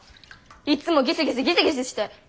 いっつもギスギスギスギスして。